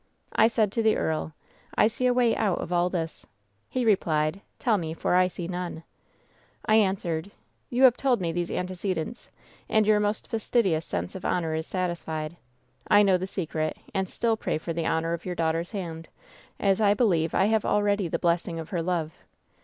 I said to the earl :" 'I see a way out of all this/ "He replied: " 'Tell me, for I see none/ "I answered :'^ 'You have told me these antecedents, and your most fastidious sense of honor is satisfied. I know the secret, and still pray for the honor of your daughter's hand, as I believe I have already the blessing of her love.